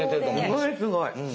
すごいすごい。